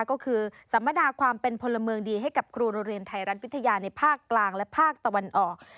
ก็คือสัมมนาความเป็นพลเมืองดีให้กับครูโรงเรียนไทยรัฐวิทยาในภาคกลางและภาคตะวันออก